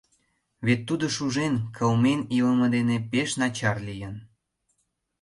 Вет тудо шужен, кылмен илыме дене пеш начар лийын...